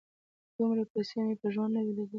_دومره پيسې مې په ژوند نه وې لېدلې.